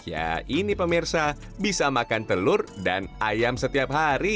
ya ini pemirsa bisa makan telur dan ayam setiap hari